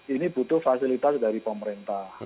ini butuh fasilitas dari pemerintah